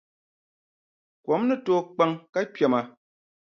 Kom ni tooi kpaŋ ka kpɛma.